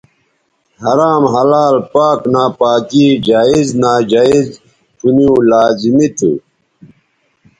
حرام حلال پاک ناپاکی جائز ناجائزپُھنیوں لازمی تھو